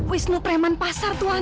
wisnu preman pasar tuan